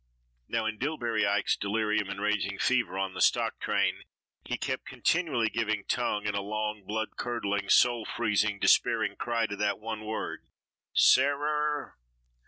Now in Dillbery Ike's delirium and raging fever on the stock train, he kept continually giving tongue in a long, blood curdling, soul freezing, despairing cry to that one word "Sarer."